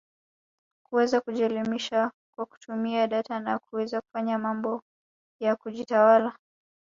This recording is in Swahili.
kuweza kujielimisha kwa kutumia data na kuweza kufanya mambo kwa kujitawala